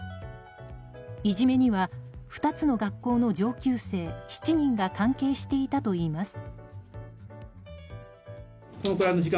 いじめには２つの学校の上級生７人が関係していたといいます。